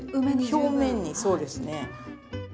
表面にそうですね。